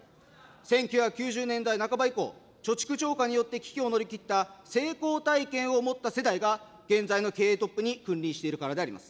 １９９０年代半ば以降、貯蓄超過によって危機を乗り切った成功体験を持った世代が現在の経営トップに君臨しているからであります。